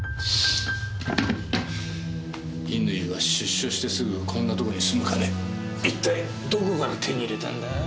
乾は出所してすぐこんなとこに住む金一体どこから手に入れたんだ？